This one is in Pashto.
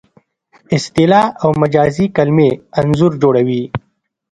اصطلاح او مجازي کلمې انځور جوړوي